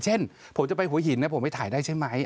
เช่นผมจะไปหัวหินนะผมไปถ่ายได้ใช่ไหม